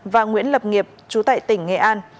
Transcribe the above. và nguyễn lập nghiệp chú tại tỉnh nghệ an